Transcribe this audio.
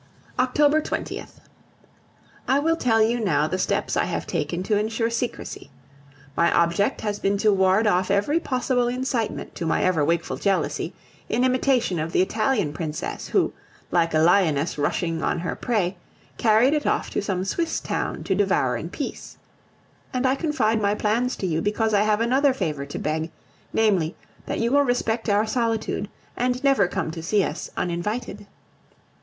October 20th. I will tell you now the steps I have taken to insure secrecy. My object has been to ward off every possible incitement to my ever wakeful jealousy, in imitation of the Italian princess, who, like a lioness rushing on her prey, carried it off to some Swiss town to devour in peace. And I confide my plans to you because I have another favor to beg; namely, that you will respect our solitude and never come to see us uninvited.